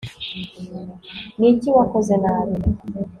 niki wakoze nabi